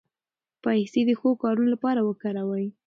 پیسې د ښو کارونو لپاره وکاروئ.